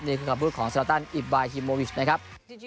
นี่คือการพูดของศาลตันอิบไบฮิมโมวิชนะครับ